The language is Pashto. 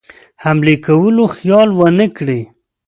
حملې کولو خیال ونه کړي.